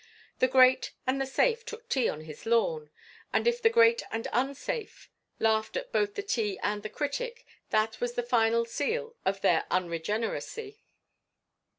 The great and the safe took tea on his lawn, and if the great and unsafe laughed at both the tea and the critic that was the final seal of their unregeneracy.